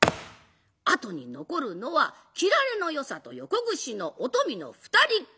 あとに残るのは切られの与三と横櫛のお富の２人っきり。